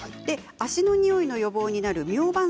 足のにおいの予防になるミョウバン